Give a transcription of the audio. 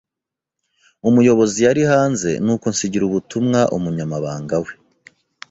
Umuyobozi yari hanze, nuko nsigira ubutumwa umunyamabanga we.